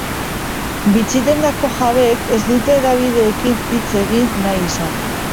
Bitxi-dendako jabeek ez dute hedabideekin hitz egin nahi izan.